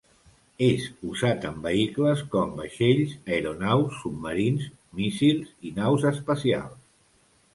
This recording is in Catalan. És usat en vehicles com vaixells, aeronaus, submarins, míssils, i naus espacials.